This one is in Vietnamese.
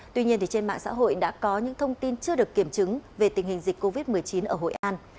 tuy nhiên trên mạng xã hội đã có những thông tin chưa được kiểm chứng về tình hình dịch covid một mươi chín ở hội an